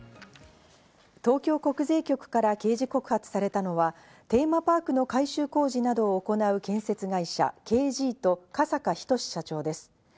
東京国税局から刑事告発されたのは、テーマパークの改修工事などを行う建設会社Ｋ．Ｇと加坂斉社長です。